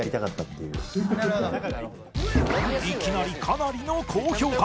いきなりかなりの高評価